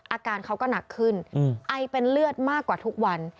อาการเขาก็หนักขึ้นไอเป็นเลือดมากกว่าทุกวัน